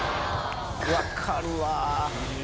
分かるわ。